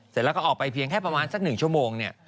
เสร็จแล้วก็ออกไปเพียงแค่ประมาณสัก๑ชั่วโมงเนี่ย